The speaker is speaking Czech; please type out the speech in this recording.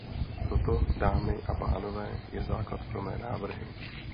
Toto, dámy a pánové, je základ pro mé návrhy.